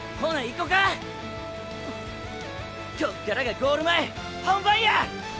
こっからがゴール前本番や！